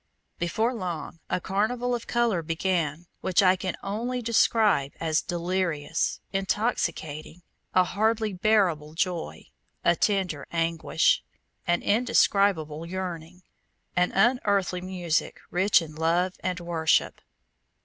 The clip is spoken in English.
Before long a carnival of color began which I can only describe as delirious, intoxicating, a hardly bearable joy, a tender anguish, an indescribable yearning, an unearthly music, rich in love and worship.